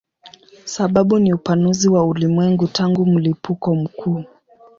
Sababu ni upanuzi wa ulimwengu tangu mlipuko mkuu.